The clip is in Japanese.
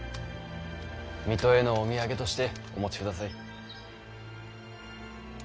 水戸へのお土産としてお持ちください。